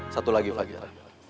satu lagi fakir